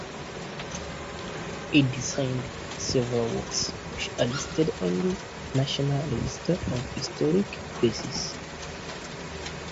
He designed several works which are listed on the National Register of Historic Places.